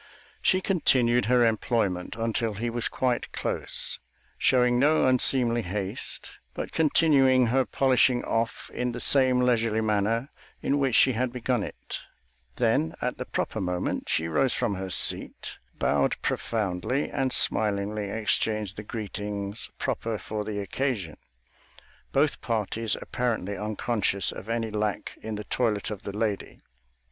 She continued her employment until he was quite close, showing no unseemly haste, but continuing her polishing off in the same leisurely manner in which she had begun it; then at the proper moment she rose from her seat, bowed profoundly, and smilingly exchanged the greetings proper for the occasion, both parties apparently unconscious of any lack in the toilet of the lady.